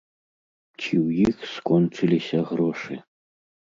Ці ў іх скончыліся грошы.